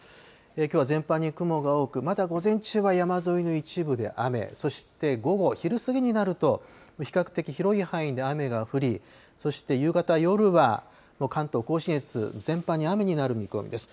きょうは全般に雲が多く、まだ午前中は山沿いの一部で雨、そして午後、昼過ぎになると、比較的、広い範囲で雨が降り、そして夕方、夜は関東甲信越、全般に雨になる見込みです。